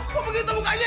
kok begitu mukanya